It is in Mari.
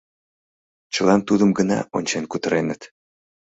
Чылан тудым гына ончен кутыреныт.